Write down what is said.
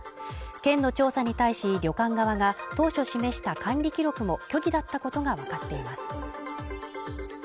県の調査に対し、旅館側が当初示した管理記録も虚偽だったことがわかっています。